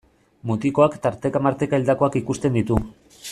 Mutikoak tarteka-marteka hildakoak ikusten ditu.